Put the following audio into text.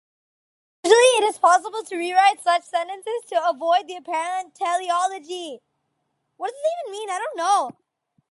Usually, it is possible to rewrite such sentences to avoid the apparent teleology.